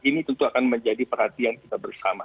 ini tentu akan menjadi perhatian kita bersama